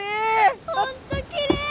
本当きれい！